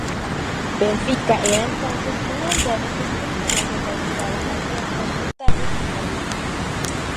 Benfica era entonces una aldea de campesinos, donde abundaban las huertas, frutales y jardines.